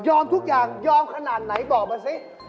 ทุกอย่างยอมขนาดไหนบอกมาสิ